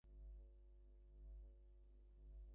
মৃদু মোলেয়েম প্রশান্তি ঘরে ব্যাপ্ত হইয়া আছে।